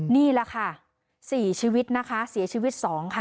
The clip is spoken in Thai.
นี่แหละค่ะ๔ชีวิตนะคะเสียชีวิต๒ค่ะ